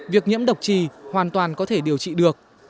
việc nhiễm độc trì hoàn toàn có thể điều trị được